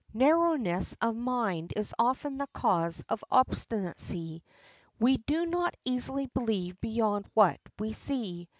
Narrowness of mind is often the cause of obstinacy; we do not easily believe beyond what we see.